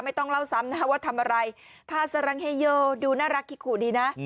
ต้องเล่าซ้ำนะว่าทำอะไรทาสรังเฮโยดูน่ารักคิขู่ดีนะ